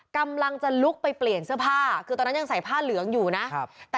กำลังจะลุกไปเปลี่ยนเสื้อผ้าคือตอนนั้นยังใส่ผ้าเหลืองอยู่นะ